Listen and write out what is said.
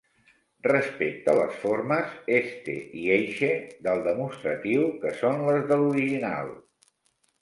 Respecte les formes 'este' i 'eixe' del demostratiu, que són les de l’original.